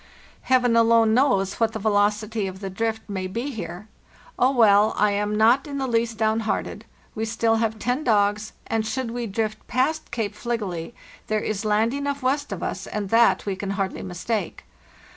Heaven alone knows what the velocity of the drift may be here. Oh, well, | am not in the least downhearted. We still have 10 dogs, and should we drift past Cape Fligely, there is land enough west of us, and that we can hardly mistake.